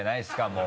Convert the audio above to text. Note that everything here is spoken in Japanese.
もう。